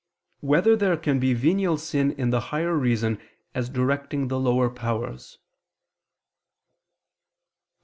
9] Whether There Can Be Venial Sin in the Higher Reason As Directing the Lower Powers?